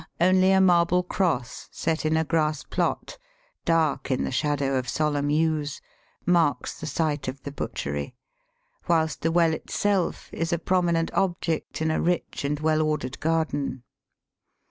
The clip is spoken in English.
Now only ;a marble cross set in a grass plot — dark in the shadow of solemn yews — marks the site of the butchery, whilst the well itself is a pro minent object in a rich and well ordered garden.